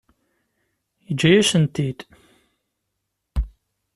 Yeǧǧa-yasen-ten-id.